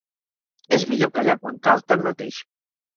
És millor callar quan cal, tanmateix.